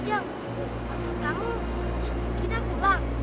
jeng maksud kamu kita pulang